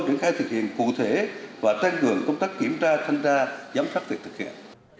triển khai thực hiện cụ thể và tăng cường công tác kiểm tra thanh tra giám sát việc thực hiện